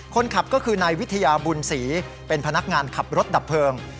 คนขับก็คือนายวิทยาบุญศรีเป็นพนักงานขับรถดับเพลิง